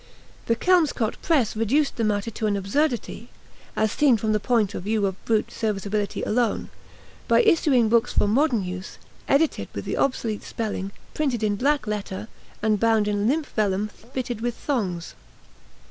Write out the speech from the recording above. The Kelmscott Press reduced the matter to an absurdity as seen from the point of view of brute serviceability alone by issuing books for modern use, edited with the obsolete spelling, printed in black letter, and bound in limp vellum fitted with thongs.